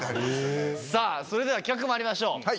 さぁそれでは企画まいりましょう。